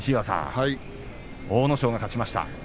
阿武咲、勝ちました。